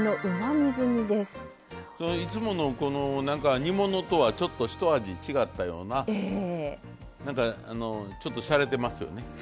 いつもの何か煮物とはちょっと一味違ったような何かちょっとしゃれてますよね。